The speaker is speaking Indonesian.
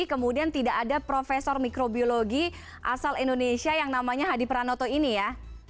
kemudian tidak ada profesor mikrobiologi asal indonesia yang namanya hadi pranoto ini ya